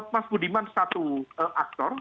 mas budiman satu aktor